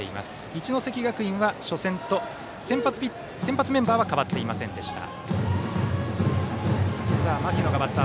一関学院は初戦と先発メンバーは変わっていませんでした。